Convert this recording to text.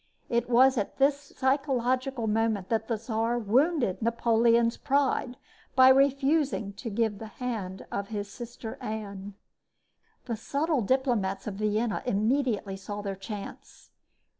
It was at this psychological moment that the Czar wounded Napoleon's pride by refusing to give the hand of his sister Anne. The subtle diplomats of Vienna immediately saw their chance.